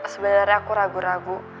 sebenernya aku ragu ragu